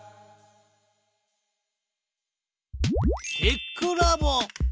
テックラボ。